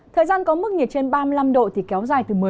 thời gian có mức nhiệt trên ba mươi năm độ thì kéo dài từ năm đến năm độ